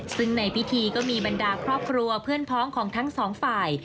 ซึ่งในพิธีก็มีบรรดาครอบครัวเพื่อนพ้องของทั้งสองฝ่าย